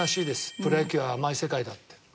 「プロ野球は甘い世界だ」って。